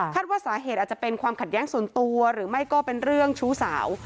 ว่าสาเหตุอาจจะเป็นความขัดแย้งส่วนตัวหรือไม่ก็เป็นเรื่องชู้สาว